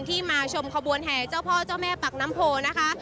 มาชมขบวนแห่เจ้าพ่อเจ้าแม่ปากน้ำโพนะคะ